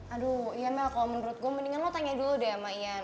aduh iya mel kalau menurut gue mendingan lo tanya dulu deh sama ian